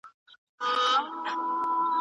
پوهانو د علم لپاره کوم تعریفونه کړي دي؟